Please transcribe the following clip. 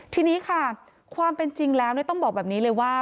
ทีนี้ค่ะความเป็นจริงแล้วต้องบอกแบบนี้เลยว่า